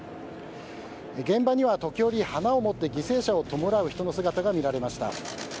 現場には時折、花を持って犠牲者を弔う人の姿が見られました。